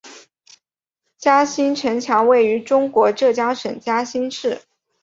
嘉兴城墙位于中国浙江省嘉兴市。